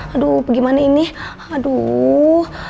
aduh gimana ini aduh